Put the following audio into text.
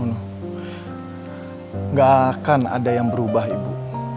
tidak akan ada yang berubah ibu